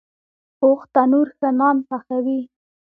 پوخ تنور ښه نان پخوي